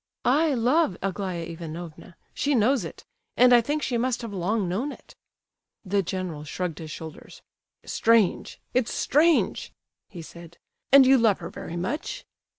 "I love Aglaya Ivanovna—she knows it,—and I think she must have long known it." The general shrugged his shoulders. "Strange—it's strange," he said, "and you love her very much?"